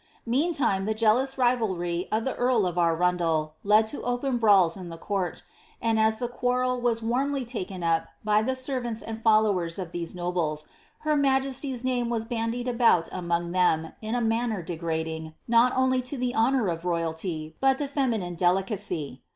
Metotime the jealous rivalry of the E^rl of Arundel led to open brawls in the court ; and as the quarrel was warmly taken up by the servants ind followers of these nobles, her majesty's name was bandied about uiong them in a manner degrading, not only to the honour of royalty, but to feminine delicacy.